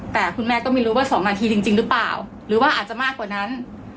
แต่คุณแม่ก็ไม่รู้ว่า๒นาทีจริงหรือเปล่าหรือว่าอาจจะมากกว่านั้น